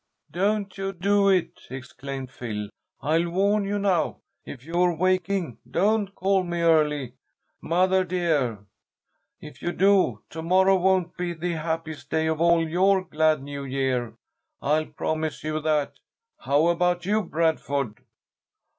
"Don't you do it!" exclaimed Phil. "I'll warn you now, if you're waking, don't call me early, mother, dear. If you do, to morrow won't be the happiest day of all your glad New Year. I'll promise you that. How about you, Bradford?"